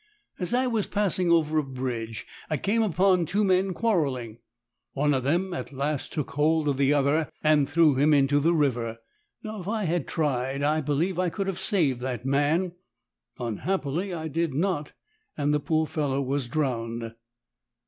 As I was passing over a bridge I came upon two men quarrelling. One of them at last took hold of the other and threw him into the river. Now if I had tried 1 believe I could have saved that man ; unhappily I did not, and the poor fellow was drowned."